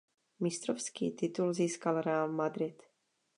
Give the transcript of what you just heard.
Mistrovský titul získal Real Madrid.